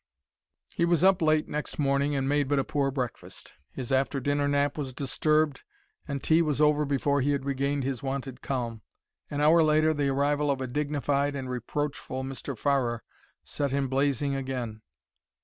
He was up late next morning, and made but a poor breakfast. His after dinner nap was disturbed, and tea was over before he had regained his wonted calm. An hour later the arrival of a dignified and reproachful Mr. Farrer set him blazing again.